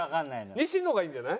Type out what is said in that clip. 西野がいいんじゃない？